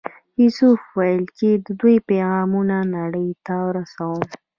یوسف وویل چې د دوی پیغامونه نړۍ ته ورسوو.